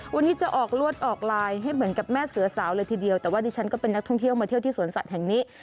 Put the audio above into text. วันนี้จะออกลวดออกลายให้เหมือนกับแม่เสือสาวเลยทีเดียวแต่ว่าดิฉันก็เป็นนักท่องเที่ยวมาเที่ยวที่สวนสัตว์แห่งนี้